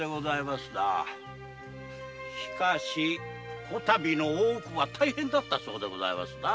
しかし今度の大奥は大変だったそうでございますな。